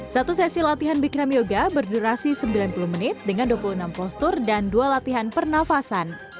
satu sesi latihan bikram yoga berdurasi sembilan puluh menit dengan dua puluh enam postur dan dua latihan pernafasan